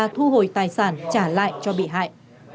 thu hồi tài sản trả lại cho bị hại